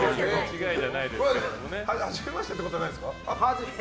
はじめましてってことはないですか？